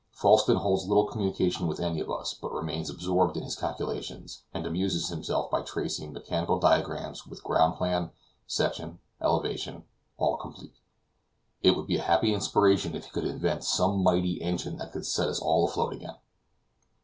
Falsten holds little communication with any of us, but remains absorbed in his calculations, and amuses himself by tracing mechanical diagrams with ground plan, section, elevation, all complete. It would be a happy inspiration if he could invent some mighty engine that could set us all afloat again.